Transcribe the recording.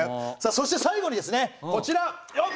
そして最後にですねこちら。